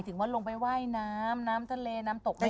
ถึงว่าลงไปว่ายน้ำน้ำทะเลน้ำตกได้